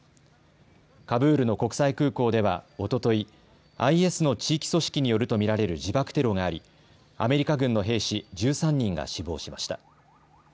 カブールの国際空港ではおととい、ＩＳの地域組織によると見られる自爆テロがありアメリカ軍の兵士１３人が死亡しました。